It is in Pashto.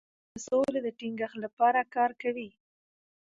ډيپلوماسي د سولې د ټینګښت لپاره کار کوي.